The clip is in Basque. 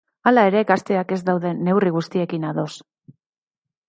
Hala ere, gazteak ez daude neurri guztiekin ados.